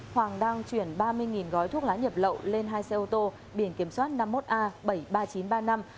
hoàng đang chuyển ba mươi gói thuốc lá nhập lậu lên hai xe ô tô biển kiểm soát năm mươi một a bảy mươi ba nghìn chín trăm ba mươi năm